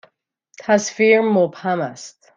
تصویر مبهم است.